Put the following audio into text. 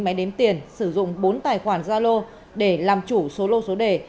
máy đếm tiền sử dụng bốn tài khoản gia lô để làm chủ số lô số đề